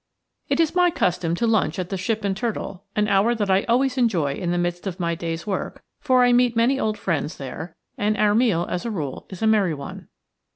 It is my custom to lunch at the Ship and Turtle, an hour that I always enjoy in the midst of my day's work, for I meet many old friends there, and our meal, as a rule, is a merry one.